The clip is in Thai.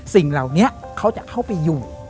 สิ่งเหล่านี้เขาจะเข้าไปอยู่